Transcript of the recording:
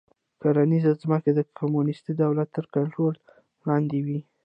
کرنیزې ځمکې د کمونېستي دولت تر کنټرول لاندې وې